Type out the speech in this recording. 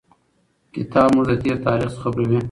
کتاب موږ له تېر تاریخ څخه خبروي.